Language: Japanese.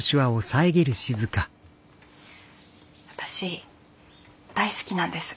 私大好きなんです